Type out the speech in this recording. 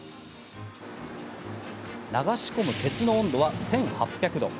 流し込む鉄の温度は１８００度。